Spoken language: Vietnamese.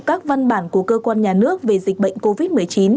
các văn bản của cơ quan nhà nước về dịch bệnh covid một mươi chín